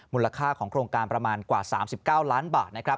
มูลค่าของโครงการประมาณกว่า๓๙ล้านบาทนะครับ